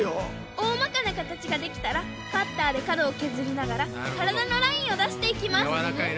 おおまかなかたちができたらカッターでかどをけずりながらからだのラインをだしていきます